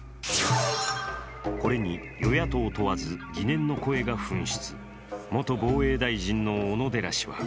これに与野党問わず疑念の声が噴出。